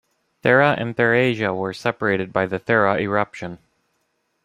Thera and Therasia were separated by the Thera eruption.